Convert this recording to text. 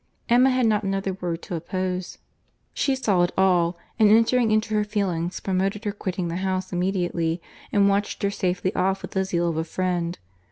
Emma had not another word to oppose. She saw it all; and entering into her feelings, promoted her quitting the house immediately, and watched her safely off with the zeal of a friend.